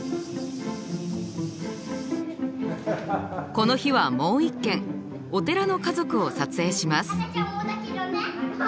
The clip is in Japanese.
この日はもう一件お寺の家族を撮影します。